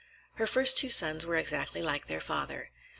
Her first two sons were exactly like their father.